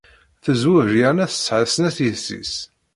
Tezwej yerna tesɛa snat yessi-s.